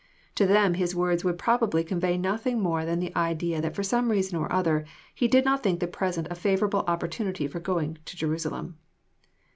To them His words would probably convey nothing more than the idea that for some reason or other He did not think the present a favourable opportunity for going to Jerusalem.